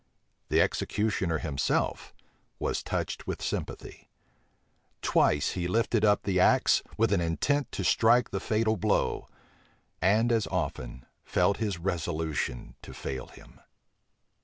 The executioner himself was touched with sympathy. Twice he lifted up the axe, with an intent to strike the fatal blow; and as often felt his resolution to fail him.